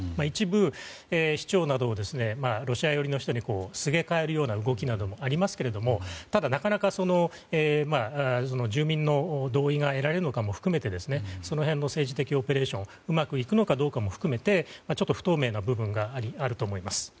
一部、市長などをロシア寄りの人にすげ替えるような動きもありますけれどなかなか住民の同意が得られるのかも含めてその辺の政治的オペレーションもうまくいくのかどうかも含めて不透明な部分があると思います。